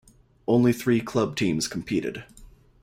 Only three club teams competed.